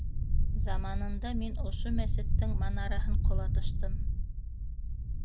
Заманында мин ошо мәсеттең манараһын ҡолатыштым!